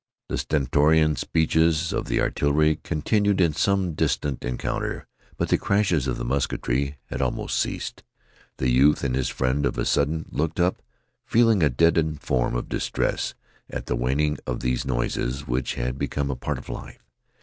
The stentorian speeches of the artillery continued in some distant encounter, but the crashes of the musketry had almost ceased. The youth and his friend of a sudden looked up, feeling a deadened form of distress at the waning of these noises, which had become a part of life.